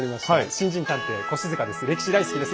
新人探偵越塚です。